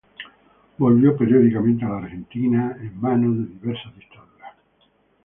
Volvió periódicamente a la Argentina ―en manos de diversas dictaduras―.